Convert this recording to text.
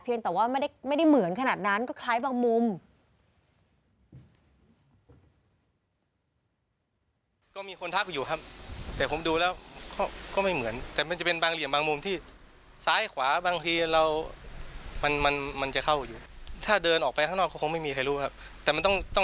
แต่ว่าไม่ได้เหมือนขนาดนั้นก็คล้ายบางมุม